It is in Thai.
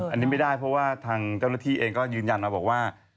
อันนี้ไม่ได้เพราะว่าทางเจ้าหน้าที่เองก็ยืนยันมาบอกว่า